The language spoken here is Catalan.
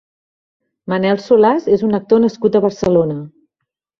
Manel Solàs és un actor nascut a Barcelona.